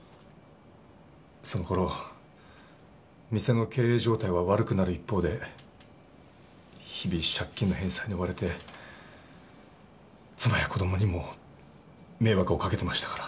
その頃店の経営状態は悪くなる一方で日々借金の返済に追われて妻や子供にも迷惑をかけてましたから。